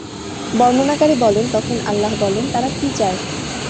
বর্ণনাকারী বলেন, তখন আল্লাহ বলেন, তারা কী চায়?